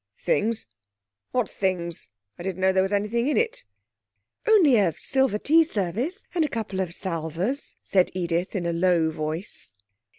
'Things what things? I didn't know there was anything in it.' 'Only a silver tea service, and a couple of salvers,' said Edith, in a low voice....